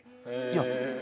いや。